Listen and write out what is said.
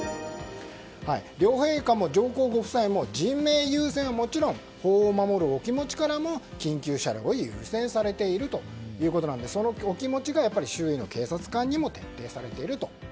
両陛下も上皇ご夫妻も人命優先はもちろん法を守るお気持ちからも緊急車両を優先されているということでそのお気持ちが周囲の警察官にも徹底されていると。